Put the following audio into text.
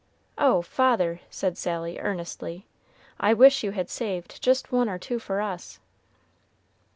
"Oh, father!" said Sally, earnestly, "I wish you had saved just one or two for us."